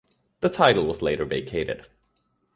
The title was later vacated.